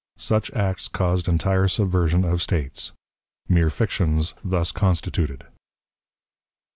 Such Acts caused Entire Subversion of States. Mere Fictions thus constituted.